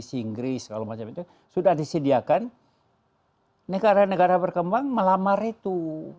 di inggris segala macam itu sudah disediakan negara negara berkembang melamar itu